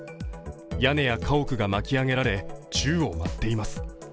屋根や家屋が巻き上げられ宙を舞っています。